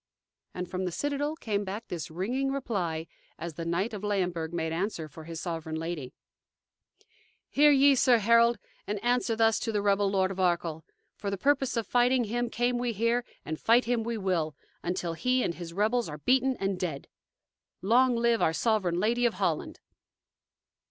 And from the citadel came back this ringing reply, as the knight of Leyenburg made answer for his sovereign lady: "Hear ye, sir Herald, and answer thus to the rebel Lord of Arkell: 'For the purpose of fighting him came we here, and fight him we will, until he and his rebels are beaten and dead.' Long live our Sovereign Lady of Holland!"